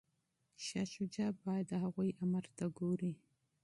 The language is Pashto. شاه شجاع باید د هغوی امر ته ګوري.